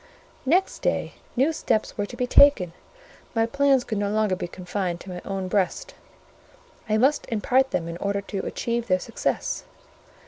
Next day new steps were to be taken; my plans could no longer be confined to my own breast; I must impart them in order to achieve their success.